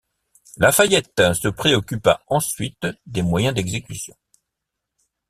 La Fayette se préoccupa ensuite des moyens d'exécution.